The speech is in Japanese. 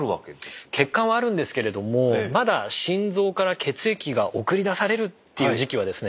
血管はあるんですけれどもまだ心臓から血液が送り出されるという時期はですね